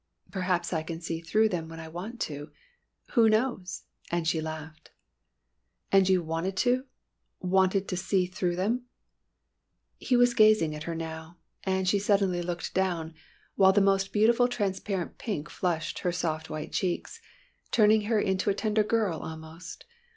"Perhaps I can see through them when I want to who knows!" and she laughed. "And you wanted to wanted to see through them?" He was gazing at her now, and she suddenly looked down, while the most beautiful transparent pink flushed her soft white cheeks, turning her into a tender girl almost.